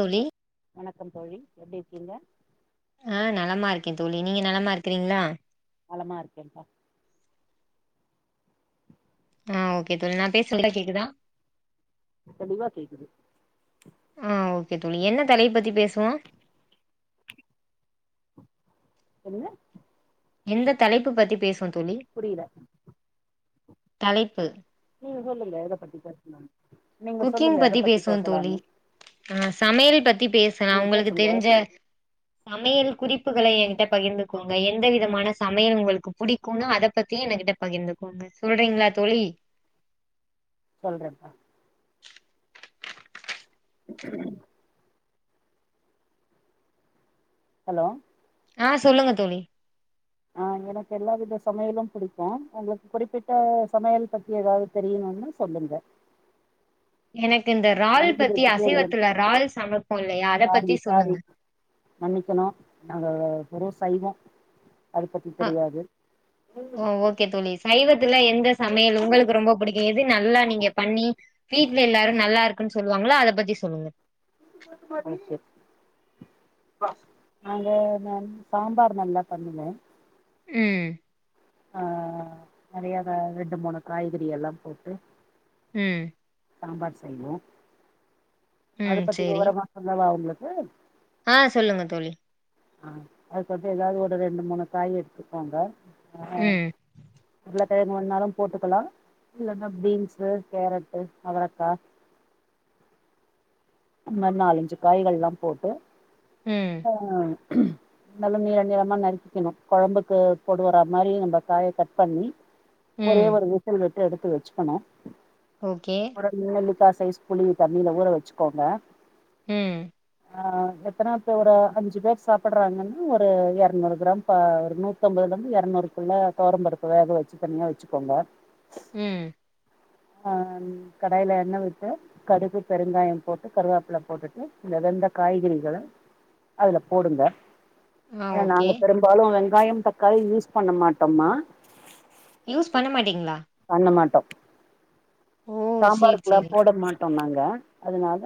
தோழி வணக்கம் தோழி எப்டி இருக்கிங்க ஆ நலமா இருக்கே தோழி நீங்க நலமா இருக்கிறிங்ளா நலமா இருக்கேம்பா ஆ ஓகே தோழி நா பேசுறது நல்லா கேக்குதா தெளிவா கேக்குது ஆ ஓகே தோழி என்ன தலைப்பு பத்தி பேசலா என்னங்க எந்த தலைப்பு பத்தி பேசுவோ தோழி புரியல தலைப்பு நீங்க சொல்லுங்க எத பத்தி பேசலானு நீங்க குக்கிங் சொல்லுங்க எத பத்தி பேசுவோ தோழி பேசலானு ஆ சமையல் பத்தி பேசலா நீங்க உங்களுக்கு பேசுங்கோ தெரிஞ்ச சமையல் குறிப்புகளை எங்கிட்ட பகிர்ந்து கோங்க எந்த விதமான சமையல் உங்களுக்கு பிடிக்குனு அத பத்தி எங்ககிட்ட பகிர்ந்துக்கோங்க சொல்றிங்களா தோழி சொல்றேம்பா உம் ஹலோ ஆ சொல்லுங்க தோழி ஆ எனக்கு எல்லாவித சமையலும் பிடிக்கு உங்களுக்கு குறிப்பிட்ட சமையல் பத்தி எதாவது தெரியுமானா சொல்லுங்க எனக்கு இந்த றால் ஒன்லி பத்தி வெஜிடேரியன் அசைவத்துல றால் சமைப்போ இல்லையா அத சாரி பத்தி சொல்லுங்க சாரி மன்னிக்கணு நாங்க வெறு சைவோ அது பத்தி ஆ தெரியாது ஓ ஓகே தோழி சைவத்துல எந்த சமையல் உங்களுக்கு ரொம்ப புடிக்கு எது நல்லா நீங்க பண்ணி வீட்ல எல்லாரு நல்லாருக்குன் சொல்வாங்களோ அத பத்தி சொல்லுங்க [inaudible] நாங்க நா சாம்பார் நல்லா பண்ணுவே ம் ஆ நெறையா ரெண்டு மூணு காய்கறி எல்லாம் போட்டு ம் சாம்பார் செய்வோ அத ம் பத்தி சேரி விவரமா சொல்லவா உங்களுக்கு ஆ சொல்லுங்க தோழி ஆ அதுக் வந்து எதாவது ஒரு ரெண்டு மூணு காய் எடுத்துகோங்க ம் உருள கெழங்கு வேனாலு போட்டுக்கலா இல்லனா பீன்ஸு கேரட்டு அவரக்கா இந்த மாரி நாலஞ்சு காய்கல்லா போட்டு ம் ஆ நல்லா நீளநீளமா நறுக்கிக்கணு கொழம்புக்கு போடுற மாரி நம்ம காய கட் பண்ணி ஒரே ம் ஒரு விசில் விட்டு எடுத்து வச்சுக்கனு ஓகே நெல்லிக்கா சைஸ் புளி தண்ணியில ஊற வச்சுக்கோங்க ம் ஆ எத்தன பேரு அஞ்சு பேர் சாப்பிடுறாங்கன்னா ஒரு இருநூறு கிராம் ஒரு நூறு நூத்தம்பதுல இருந்து இருநூறுக்குள்ள துவரம்பருப்பு வேக வச்சு தனியா வச்சுக்கோங்க உம் ஆஹ் கடாயில எண்ண விட்டு கடுகு பெருங்காயோ போட்டு கருவாப்பில்ல போட்டுட்டு அந்த வெந்த காய்கறிகள அதுல போடுங்க ஆ ஏ ஓகே நாங்க பெரும்பாலு வெங்காயோ தக்காளி யூஸ் பண்ண மாட்டோமா யூஸ் பண்ணமாட்டிங்ளா பண்ண மாட்டோ ஓ சேரி சாம்பாருக்லா சேரி போட மாட் டோ நாங்க அதனால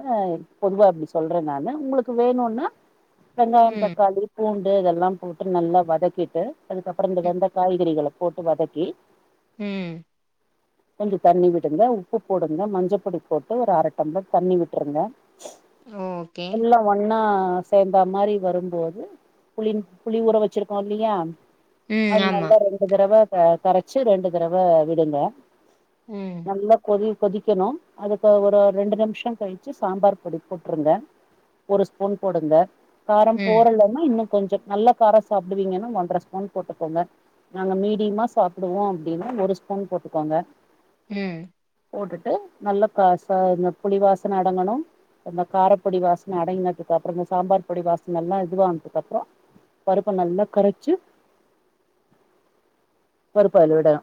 பொதுவா அப்டி சொல்றே நானு உங்களுக்கு வேணுன்னா வெங்காயம் ம் தக்காளி பூண்டு இதெல்லாம் போட்டு நல்லா வதக்கிட்டு அதுக்கப்புறோ இந்த ம் வெந்த காய்கறிகள போட்டு வதக்கி ம் கொஞ்சோ தண்ணி விடுங்க உப்பு போடுங்க மஞ்ச பொடி போட்டு ஒரு அர டம்ளர் தண்ணி விட்ருங்க ஓகே எல்லா ஒன்னா சேர்ந்த மாரி வரும்போது புளி புளி ஊற வச்சிருக்கோ இல்லயா ம் அதனால ஆமா தா ரெண்டு தரவ கரச்சு ரெண்டு தரவ விடுங்க ம் நல்லா கொதி கொதிக்கணு அதுக்கு ஒரு ரெண்டு நிமிஷம் கழிச்சு சாம்பார் பொடி போட்ருங்க ஒரு ஸ்பூன் போடுங்க காரம் ம் போடலனா இன்னு கொஞ்சோ நல்ல காரம் சாப்டுவீங்கன்னா ஒன்றர ஸ்பூன் போட்டுக்கோங்க நாங்க மீடியமா சாப்டுவோ அப்டின்னா ஒரு ஸ்பூன் போட்டுக்கோங்க ம் போட்டுட்டு நல்ல அ ச இந்த புளி வாசன அடங்கணு இந்த காரப்பொடி வாசன அடங்கினதுக்கு அப்புறமே சாம்பார் பொடி வாசனல்லா இதுவானதுக்கு அப்புறோ பருப்ப நல்லா கரச்சு பருப்ப அதுல விடலா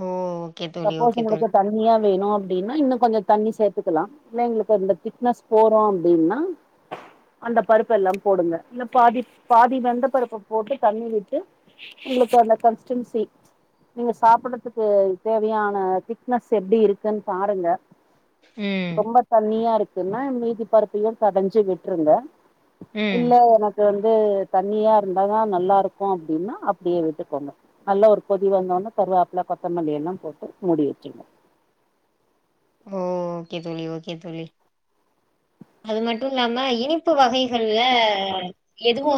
உம் சப்போஸ் உங்களுக்கு தண்ணியா வேணு அப்டின்னா இன்னு கொஞ்சோ தண்ணி சேத்துக்கலா இல்ல எங்களுக்கு அதுல திக்னஸ் போறோ அப்டின்னா அந்த பருப்பெல்லா போடுங்க இல்ல பாதி பாதி வெந்த பருப்ப போட்டு தண்ணி விட்டு உங்ளுக்கு வந்த கன்ஸ்டன்சி நீங்க சாப்புடுறதுக்கு தேவையான திக்னஸ் எப்டி இருக்குன்னு பாருங்க ம் ரொம்ப தண்ணியா இருக்குன்னா மீதி பருப்பயு கடஞ்சு விட்ருங்க ம் இல்ல எனக் கு வந்து தண்ணியா இருந்தாதா நல்லா இருக்கு அப்டின்னா அப்டியே விட்டுக்கோங்க நல்ல ஒரு தி வந்தோன்னே கருவாப்புல கொத்தமல்லி எல்லா போட்டு மூடி வச்சுருங்க உம் ஓகே தோழி ஓகே தோழி அது மட்டு இல்லாம இனிப்பு வகைகள்ல இதுவு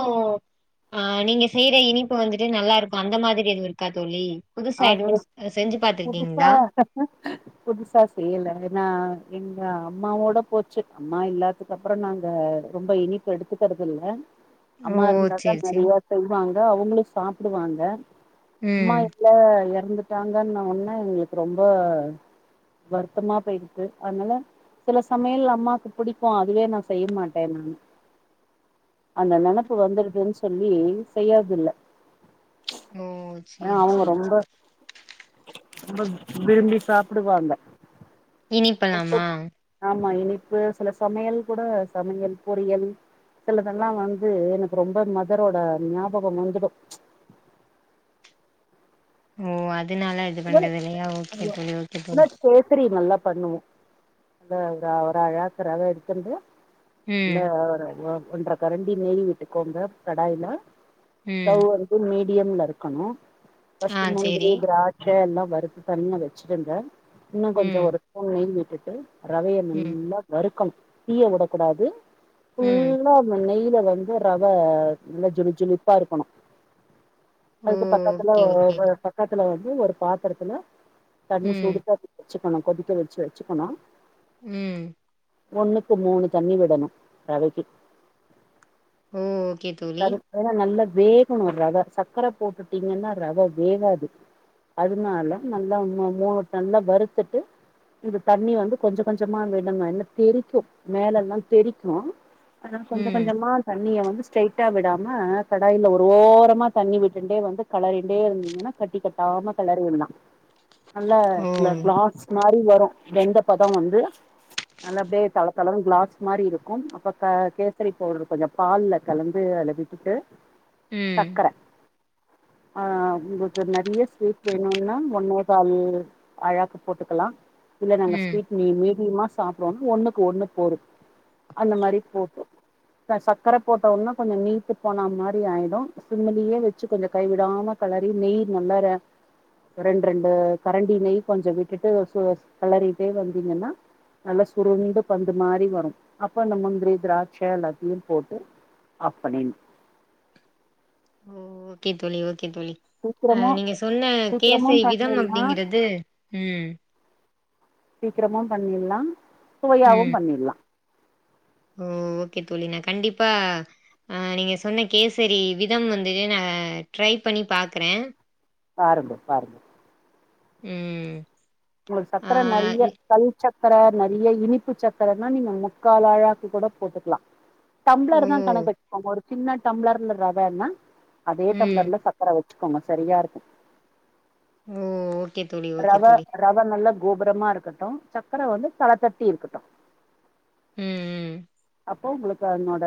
ஆஹ் நீங்க செய்ற இனிப்பு வந்துட்டு நல்லா இருக்கு அந்த மாதிரி எதுவு இருக்கா தோழி புதுசா ஆ எதுவு செஞ்சு புதுசா பாத்திருக்கீங்ளா புதுசா செய்யல ஏன்னா எங்க அம்மாவோட போச்சு அம்மா இல்லாத அதுக்கப்புற நாங்க ரொம்ப இனிப்பு எடுத்துக்கறது இல்ல ஓ அம்மா இருந்தாதா சேரி சேரி நெறைய செய்வாங்க அவுங்களு சாப்டுவாங்க அம்மா ம் ல எறந்துட்டாங்கன்ன ஒண்ணே எங்களுக்கு ரொம்ப வருத்தமா போயிருக்கு அதனால சில சமையல் அம்மாக்கு புடிக்கு அதுவே நா செய்ய மாட்ட நா அந்த நெனப்பு வந்துடுதுன்னு சொல்லி செய்யற்தில்ல ஓ சேரி அவங்க சேரி ரொம்ப ரொம்ப விரும்பி சாப்டுவாங்க இனிப்பலாமா ஆமா இனிப்பு சில சமையல் கூட சமையல் பொரியல் சிலதெல்லா வந்து எனக்கு ரொம்ப மதரோட ஞாபகம் வந்துடு ஓ அதுனால இது பண்றது இல்லையா ஓகே ஆமா தோழி ஓகே ஆனா தோழி கேசரி நல்லா பண்ணுவோ அ [unintelligible] எடுத்துண்ட்டு ம் அ ஒன்ற கரண்டி நெய் விட்டுக்கோங்க கடாய்லா ம் [unintelligible] மீடியம்ல இருக்கணு ஃபர்ஸ்ட் ஆ முந்திரி சேரி திரா ட்ச எல்லா வறுத்து தனியா வச்சுடுங்க இன்னு கொஞ்ச ம் ஒரு ஸ்பூன் நெய் விட்டுட்டு ரவைய ம் நல்லா வறுக்கனு தீய விடக்கூடாது ம் ஃபுல்லா நெய்ல வந்து ரவ நல்லா ஜொளி ஜொலிப்பா இருக்குனு ஓ அதுக்கு பக்கத் துல ஓகே ஓகே ஒரு பக்கத்துல வந்து ஒரு பாத்தரத்துல தண்ணி ம் சுடுத்தண் வச்சுக்கணு கொதிக்க வச்சு வச்சுக்கணு ம் ஒண்ணுக்கு மூணு தண்ணி விடணு ரவைக்கி ஓ ஓகே தோழி க ஏன்னா நல்லா வேகணு ரவ சக்கர போட்டுட்டீங்கன்னா ரவ வேகாது அதுனால நல்லா மூ நல்லா வருத்துட்டு இந்த தண்ணி வந்து கொஞ்ச கொஞ்சமா விடனு என்ன தெறிக்கு மேல எல்லா தெறிக்கு அனா கொஞ்சமா ம் கொஞ்சமா தண்ணிய வந்து ஸ்ட்ரைட்டா விடாம கடாயில ஒரு ஓரமா தண்ணி விட்டுண்டே வந்து கலறிண்டே இருந்திங்கனா கட்டி கட்டி லாம கெளறி உள்ளா நல்ல ஓ இல கிளாஸ் மாரி வரு வெந்த பதோ வந்து நல்ல அப்டே தள தளனு கிளாஸ் மாரி இருக்கு அப்ப க கேசரி பவுடர் கொஞ்ச பால்ல கலந்து அத விட்டுட்டு ம் சக்கர ஆ உங்களுக்கு நெறைய ஸ்வீட் வேணுனா ஒண்ணே கால் ஆழாக்கு போட்டுக்கலா இல்ல நாங்க ம் ஸ்வீட் நீ மீடியமா சாப்டுவோனா ஒண்ணுக்கு ஒண்ணு போரு அந்த மாரி போட்டு அ சக்கரப் போட்ட உனோ கொஞ்ச நீத்து போன மாரி ஆயிடு சிம்லியே வச்சு கொஞ்ச கைவிடாம கலரி நெய் நல்லார ரெண்டு ரெண்டு கரண்டி நெய் கொஞ்ச விட்டுட்டு கெளறிட்டே வந்தீங்கன்னா நல்லா சுருண்டு பந்து மாரி வரு அப்ப அந்த முந்திரி திராட்ச எல்லாத்தியு போட் அப்படின் ஓ ஓகே தோழி ஓகே தோழி அ சீக்கிரமா நீங்க சொன்ன சீக்கிரமு கேசை விதம் பண்ணிட்லா அப்டிங்குறது ம் சீக்கிரமு பண்ணில்லா சுவையாவு ம் பண்ணில்லா ஓ ஓகே தோழி ந கண்டிப்பா அ நீங்க சொன்ன கேசரி விதம் வந்துட்டு நா ட்ரை பண்ணி பாக்ற பாருங்க பாருங்க ம் உங்களுக்கு ஆ சக்கர நிறைய இ கல் சக்கர நிறைய இனிப்பு சக்கரனா நீங்க முக்கால் அழாக்க கூட போட்டுக்கலா ஓ டம்ப்ளர் தா கணக்க வச்சுப்போங்க ஒரு சின்ன டம்ப்ளர்ல ரவானா அதே ம் டம்ப்ளர்ல ச ஊற வச்சுக்கோங்க சரியா இருக்கு ம் ரவ ரவ நல்லா கோபுரமா இருக்கட்டு சக்கர வந்து தளத்தட்டி இருக்குட்டு ம் ம் அப்போ உங்களுக்கு அதனோட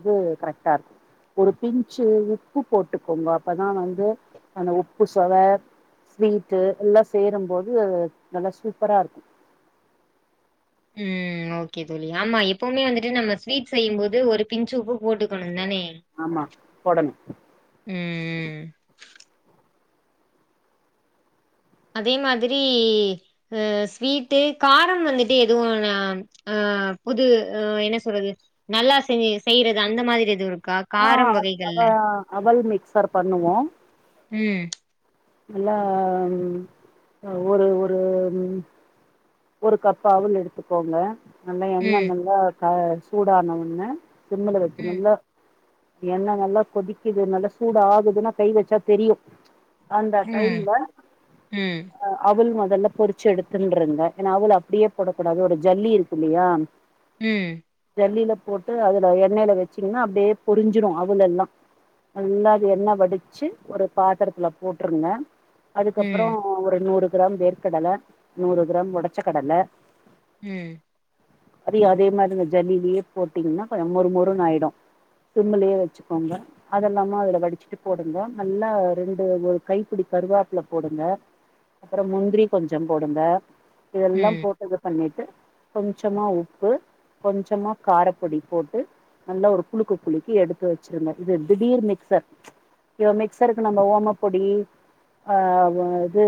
இது கரெக்ட்டா இருக்கு ஒரு பிஞச்சு உப்பு போட்டுக்கோங்க அப்பதா வந்து அந்த உப்பு சொவ ஸ்வீட்டு எல்லா சேரும்போது நல்லா சூப்பரா இருக்கு ம் ம் ஓகே தோழி ஆமா எப்பவுமே வந்துட்டு நம்ம ஸ்வீட் செய்யு போது ஒரு பிஞ் உப்பு போட்டுக்கணு தானே போடனு ம்ம் அதே மாதிரி அ ஸ்வீட்டு கார வந்துட்டு எதுவும் ந ஆ புது அ என்ன சொல்றது நல்லா செ செய்யிறது அந்த மாதிரி எதுவு இருக்கா ஆ காரம் அத வகைகள்ல அவல் மிக்சர் பண்ணுவோ ம் நல்லா ம் ஒரு ஒரு ஒரு கப் அவுள் எடுத்துக்கோங்க நல்ல எண்ணெ ம் நல்ல சூடான ஆனா உடனே சிம்மள ம் வைக்கணும்ல்ல எண்ண நல்லா கொதிக்குது நல்லா சூட ஆகுதுன்னா கை வச்சா தெரியும் அந்த ம் டைம்ல ம் அவுல் முதல்ல பொரிச்சி எடுத்துனுருங்க ஏன்னா அவுல அப்டியே போட கூடாது ஒரு ஜல்லி இருக்கு இல்லயா ம் ஜல்லில போட்டு அதுல எண்ணெயில வச்சீங்கன்னா அப்டியே பொரிஞ்சிடும் அவுல் எல்லா நல்ல அது எண்ணெ வடிச்சு ஒரு பாத்தரத்துல போட்டுருங்க அதுக்கப்புறம் ம் ஒரு நூறு கிராம் வேர்கற்கடல நூறு கிராம் உடச்ச கடல ம் அதையு அதே மாரி இந்த ஜல்லிலே போட்டீங்கன்னா கொஞ்சம் மொறு மொறு ஆயிடும் சிம்முலயே வச்சுக்கோங்க அதெல்லாம வடிச்சுட்டு போடுங்க நல்ல ரெண்டு ஒரு கைப்படி கருவோப்புல போடுங்க அப்புறம் முந்திரி கொஞ்சம் போடுங்க இதல்லாம் ம் போட்டு இது பண்ணிட்டு கொஞ்சமா உப்பு கொஞ்சமா காரப்பொடி போட்டு நல்லா ஒரு குலுக்கு குலுக்கி எடுத்து வச்சிருங்க இது திடீர் மிக்சர் இப்படி மிக்சருக்கு நம்ம ஓம பொடி அ இது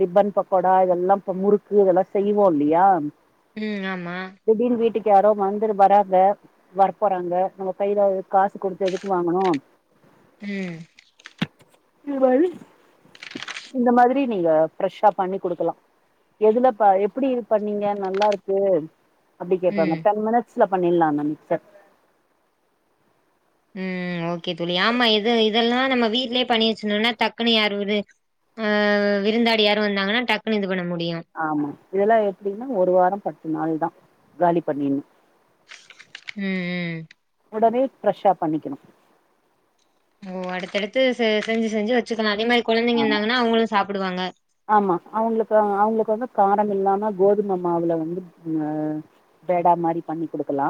ரிப்பன் பக்கோடா இதெல்லா இப்ப முறுக் இதெல்லாம் செய்வோம் இல்லயா ம் ஆமா திடீர்னு வீட்டுக்கு யாரோ வந்துரு வராங்க வரபோறாங்க நம்ம கையில காசு கொடுத்து எதுக்கு வாங்கணு ம் இந்த மாரி இந்த மாரி நீங்க ஃப்ரெஷ பண்ணி குடுக்கலா எதுலபா எப்டி பண்ணீங்க நல்லாருக்கு அப்டி கேப்பாங்க ம் தென் மினிட்ஸ் ல பண்ணிடலா இந்த மிக்சர் ம் ஓகே தோழி ஆமா இது இதெல்லா நம்ம வீட்லயே பண்ணி வெச்சுடோனா தக்குன்னு யார்ஊரு ஆ விருந்தாளி யாரு வந்தாங்கனா டக்குனு இது பண்ண முடியு ஆமா இதெல்லா எப்டின்னா ஒரு வாரோ பத்து நாள் தா காலி பண்ணு ம் ம் உடனே ஃப்ரெஷா பண்ணிக்கினு ஓ அடுத்தடுத்து செ செஞ்சு செஞ்சு வெச்சுக்கலா அதே மாரி கொழந்தைங்க ஆமா இருந்தாங்கனா அவுங்ளு சாப்பிடுவாங்க ஆமா அவங்ளுக்கு அவங்ளுக்கு வந்து காரம் இல்லாம கோதும மாவுல வந்து ஆ வெடா மாரி பண்ணி குடுக்கலா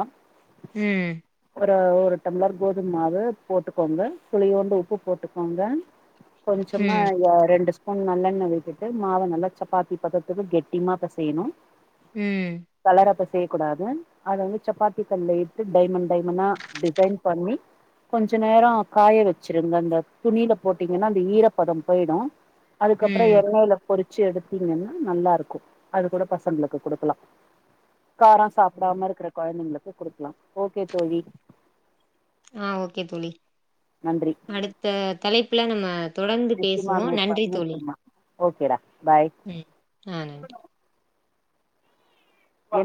ம் ஒரு ஒரு டம்ளர் கோதும்மாவு போட்டுக்கோங்க சுளியோண்டு உப்பு போட்டுக்கோங்க கொஞ்சமா ம் ரெண்டு ஸ்பூன் நல்லெண்ண விட் ட்டு மாவ நல்லா சப்பாத்தி பத்தத்துக்கு கெட்டிமா பெசயினு ம் தலராப் பெசயக்கூடாது அத வந்து சப்பாத்தி கல்ல இட்டு டைமண்ட் டைமண்டா டிசைன் பண்ணி கொஞ்ச நேரோ அந்த துணில போட்டீங்கனா அந்த ஈரப்பதம் போயிடு அதுக்கப்றோ ம் எண்ணெயில பொறிச்சி எடுத்தீங்கனா நல்லாருக்கு அது கூட பசங்களுக்கு குடுக்கலா காரோ சாப்டாம இருக்கற கொழந்தைங்களுக்கு குடுக்கலா ஓகே தோழி ஆ ஓகே தோழி நன்றி அடுத்த தலைப்பில நம்ம தொடர்ந்து நிச்சயமா பேசுவோ நோட் பண் நன்றி தோழி நிச்சயமா ஓகேடா பாய் ம் ஆ நன்றி என்ன